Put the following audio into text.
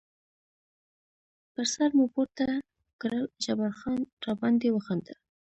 پر سر مو پورته کړل، جبار خان را باندې وخندل.